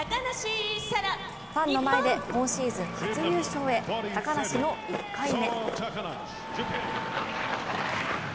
ファンの前で今シーズン初優勝へ高梨の１回目。